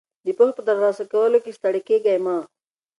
د پوهې په ترلاسه کولو کې ستړي مه ږئ.